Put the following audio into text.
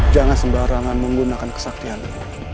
jangan sembarangan menggunakan kesaktianmu